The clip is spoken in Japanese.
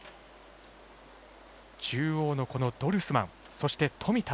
中央のドルスマン、そして富田